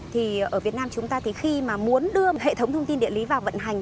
thì ở việt nam chúng ta thì khi mà muốn đưa hệ thống thông tin địa lý vào vận hành